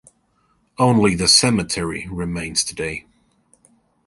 Only the cemetery remains today.